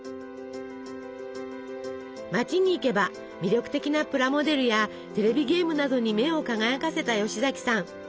街に行けば魅力的なプラモデルやテレビゲームなどに目を輝かせた吉崎さん。